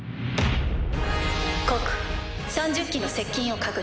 告３０騎の接近を確認。